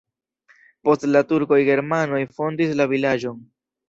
Post la turkoj germanoj fondis la vilaĝon.